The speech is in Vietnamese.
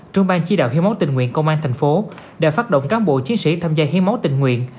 trường ban chỉ đạo hiến máu tình nguyện công an thành phố đã phát động cán bộ chiến sĩ tham gia hiến máu tình nguyện